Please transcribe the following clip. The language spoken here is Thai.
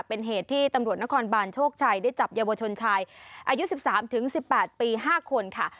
เป็นเหตุที่ตำรวจนครบานโชคชัยได้จับเยาวชนชายอายุ๑๓๑๘ปี๕คนค่ะ